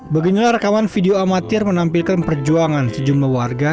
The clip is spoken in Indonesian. beginilah rekaman video amatir menampilkan perjuangan sejumlah warga